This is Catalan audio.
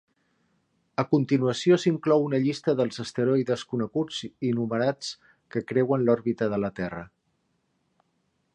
A continuació s'inclou una llista dels asteroides coneguts i numerats que creuen l'òrbita de la Terra.